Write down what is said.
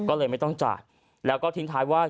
ก็เลยไม่ต้องจ่ายแล้วก็ทิ้งท้ายว่า